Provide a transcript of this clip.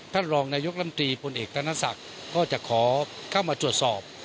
ท่านรองนายกรรมตรีพลเอกธนศักดิ์ก็จะขอเข้ามาตรวจสอบ